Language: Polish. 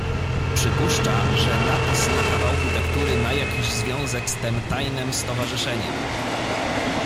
"Przypuszcza, że napis na kawałku tektury ma jakiś związek z tem tajnem stowarzyszeniem."